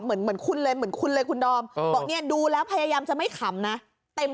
เหมือนเหมือนคุณเลยคุณดอมดูแล้วพยายามจะไม่ขำนะเต็ม